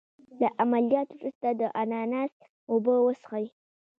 د عملیات وروسته د اناناس اوبه وڅښئ